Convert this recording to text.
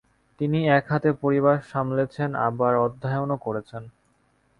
তিনি একহাতে পরিবার সামলেছেন আবার অধ্যায়নও করেছেন।